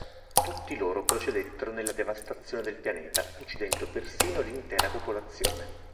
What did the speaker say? Tutti loro procedettero nella devastazione del pianeta, uccidendo persino l'intera popolazione.